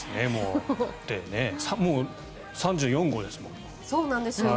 だって、３４号ですもん。